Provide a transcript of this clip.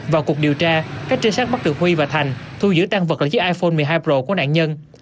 vào cuộc điều tra các trinh sát mất được huy và thành thu giữ tăng vật là chiếc iphone một mươi hai pro của nạn nhân